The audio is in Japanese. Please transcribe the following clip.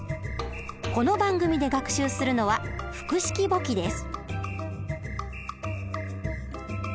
この番組で学習するのは複式簿記です。